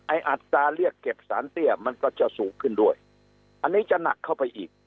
อัตราเรียกเก็บสารเตี้ยมันก็จะสูงขึ้นด้วยอันนี้จะหนักเข้าไปอีก